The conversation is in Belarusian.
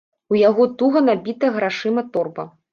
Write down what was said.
У яго туга набіта грашыма торба.